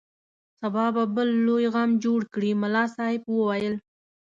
سبا به بل لوی غم جوړ کړي ملا صاحب وویل.